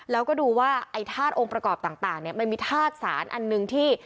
แล้วก็ดูว่าไอ้ธาตุองค์ประกอบต่างเนี่ยมันมีธาตุสารอันหนึ่งที่